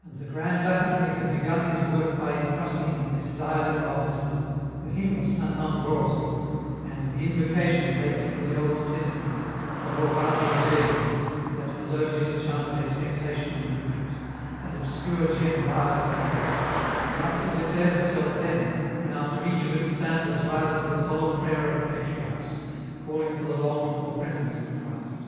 And the grand Lapidary had begun his work by incrust ing, in this diadem of offices, the hymn of Saint Ambrose, and the invocation taken from the Old Testament, the "Rorate Coeli," that melodious chant of expectation and regret, that obscure gem violet coloured ; the lustre declares itself then, when after each of its stanzas rises the solemn prayer of the patriarchs, calling for the longed for presence of Christ.